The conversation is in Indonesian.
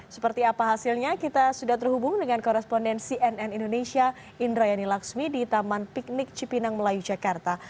seperti apa hasilnya kita sudah terhubung dengan korespondensi nn indonesia indrayani laksmi di taman piknik cipinang melayu jakarta